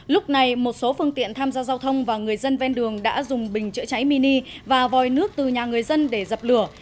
lúc này một số phương tiện tham gia giao thông và người dân ven đường đã dùng bình chữa cháy mini và vòi nước từ nhà người dân để dập lửa